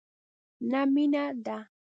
نه مینه ده،